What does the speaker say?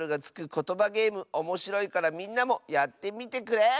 ことばゲームおもしろいからみんなもやってみてくれ！